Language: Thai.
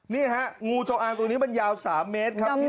นี่ฮะงูจงอางตัวนี้มันยาว๓เมตรครับพี่